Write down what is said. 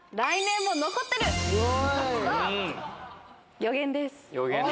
予言です。